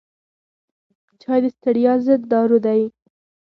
چای د ستړیا ضد دارو دی.